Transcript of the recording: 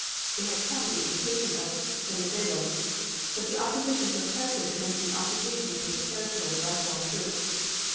They had come at the invitation of Venizelos, but the opposition protested against the occupation of Greek territory by foreign troops.